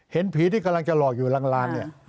เห็นผีที่กำลังจะหลอกอยู่ลานเนี่ย